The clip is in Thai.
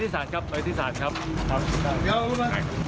เดี๋ยวไปที่สารครับ